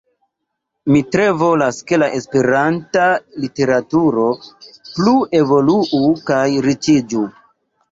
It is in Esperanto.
Mi tre volas, ke la Esperanta literaturo plu evoluu kaj riĉiĝu.